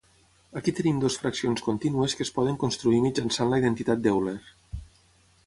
Aquí tenim dues fraccions contínues que es poden construir mitjançant la identitat d'Euler.